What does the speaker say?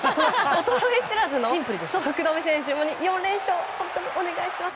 衰え知らずの福留選手４連勝、本当にお願いします！